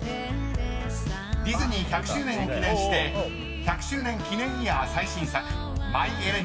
［ディズニー１００周年を記念して１００周年記念イヤー最新作『マイ・エレメント』が公開されます］